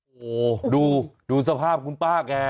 โอ้โหดูสภาพคุณป้าแก